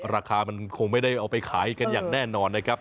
ราคามันคงไม่ได้เอาไปขายกันอย่างแน่นอนนะครับ